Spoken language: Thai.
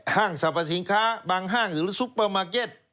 ห้างสรรพสินค้าบางห้างหรือซุปเปอร์มาร์เก็ต